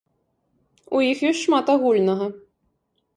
У іх ёсць шмат агульнага.